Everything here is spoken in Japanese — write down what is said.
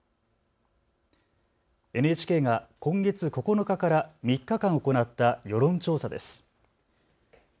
ＮＨＫが今月９日から３日間行った世論調査です。